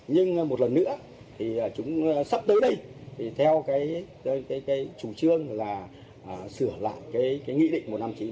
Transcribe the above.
nhưng một lần nữa thì chúng sắp tới đây thì theo cái chủ trương là sửa lại cái nghị định một trăm năm mươi chín